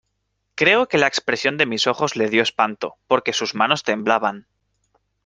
creo que la expresión de mis ojos le dió espanto, porque sus manos temblaban.